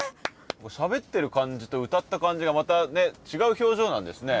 しゃべってる感じと歌った感じがまた違う表情なんですね